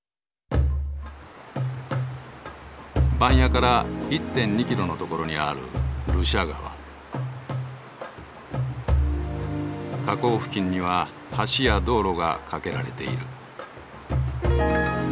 番屋から１．２キロの所にある河口付近には橋や道路が架けられている。